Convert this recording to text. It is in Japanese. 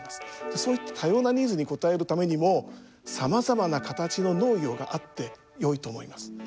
そういった多様なニーズに応えるためにもさまざまな形の農業があってよいと思います。